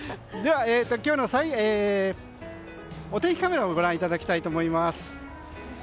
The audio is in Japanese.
お天気カメラをご覧いただきたいと思います。